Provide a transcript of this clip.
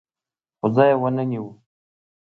خو ځای یې ونه نیو